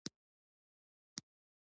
قاعده د ژبي بنسټ جوړوي.